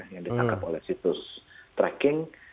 yang ditangkap oleh situs tracking